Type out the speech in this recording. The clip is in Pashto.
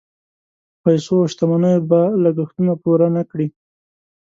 پیسو او شتمنیو به لګښتونه پوره نه کړي.